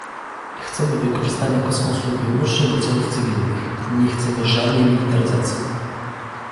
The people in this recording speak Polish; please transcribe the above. Chcemy wykorzystania kosmosu wyłącznie do celów cywilnych, nie chcemy żadnej militaryzacji!